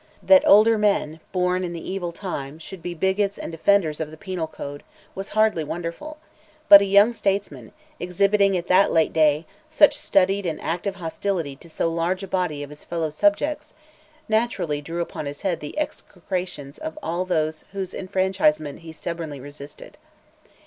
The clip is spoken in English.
That older men, born in the evil time, should be bigots and defenders of the Penal Code, was hardly wonderful, but a young statesman, exhibiting at that late day, such studied and active hostility to so large a body of his fellow subjects, naturally drew upon his head the execrations of all those whose enfranchisement he so stubbornly resisted.